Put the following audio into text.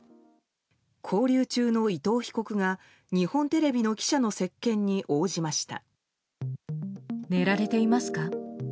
勾留中の伊藤被告が日本テレビの記者の接見に応じました。